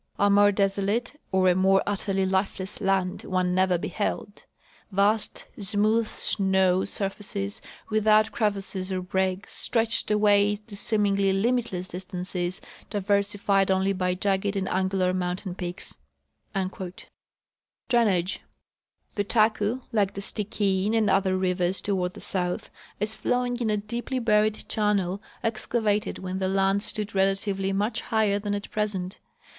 A more desolate or a more utterly lifeless land one never beheld. Vast, smooth snow sur faces, without crevasses or breaks, stretched away to seemingly limitless distances, diversified only l)y jagged and angular moun tain peaks."* Drainage. The Taku, like the Stikine and otlier rivers toward the south, is flowing in a deeply buried channel excavated when the land stood relatively much higher than at present.